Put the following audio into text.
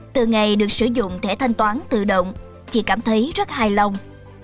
từ ngày được sử dụng thẻ thanh toán tự động chị cảm thấy rất hài lòng